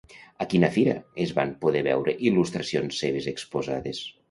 A quina fira es van poder veure il·luestracions seves exposades?